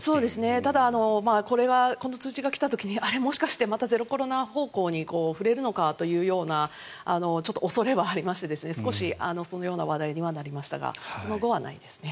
ただこの通知が来た時にあれ、もしかしてゼロコロナ方向に振れるのかというちょっと恐れはありまして少しそのような話題にはなりましたがその後はないですね。